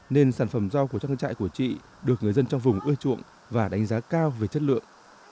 nên sản phẩm rau của trang trại của chị được người dân trong vùng ưa chuộng và đánh giá cao về chất lượng